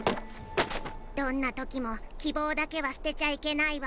どんなときもきぼうだけはすてちゃいけないわ。